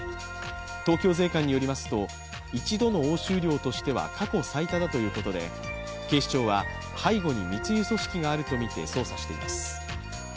東京税関によりますと、一度の押収量としては過去最多だということで警視庁は背後に密輸組織があるとみて捜査しています。